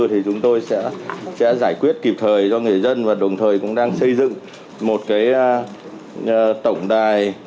thì chúng tôi sẽ giải quyết kịp thời cho người dân và đồng thời cũng đang xây dựng một cái tổng đài